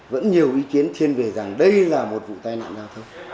vẫn nhiều ý kiến chuyên về rằng đây là một vụ tai nạn giao thông